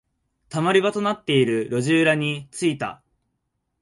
溜まり場となっている路地裏に着いた。